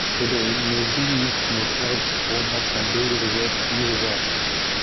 Today, Newry is noted as the home of Sunday River Ski Resort.